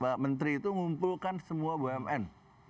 pak menteri itu ngumpulkan semua bumn